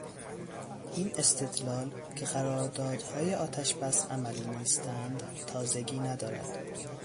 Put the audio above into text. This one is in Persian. این استدلال که قراردادهای آتشبس عملی نیستند تازگی ندارد.